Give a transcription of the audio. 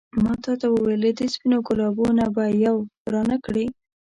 ما تا ته وویل له دې سپينو ګلابو نه به یو رانه کړې.